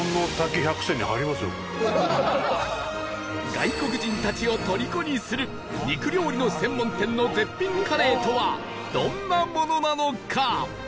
外国人たちをとりこにする肉料理の専門店の絶品カレーとはどんなものなのか？